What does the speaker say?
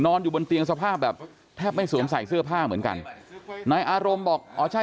อยู่บนเตียงสภาพแบบแทบไม่สวมใส่เสื้อผ้าเหมือนกันนายอารมณ์บอกอ๋อใช่